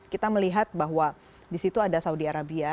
kita melihat bahwa disitu ada saudi arabia